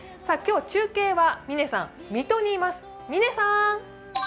今日中継は嶺さん、水戸にいます。